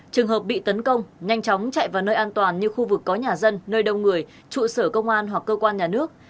trường hợp bị tấn công nhanh chóng chạy vào nơi an toàn như khu vực có nhà dân nơi đông người trụ sở công an hoặc cơ quan nhà nước